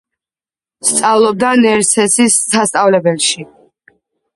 სწავლობდა ნერსესის სასწავლებელში.